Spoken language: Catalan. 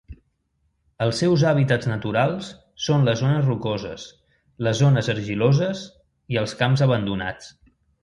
Els seus hàbitats naturals són les zones rocoses, les zones argiloses i els camps abandonats.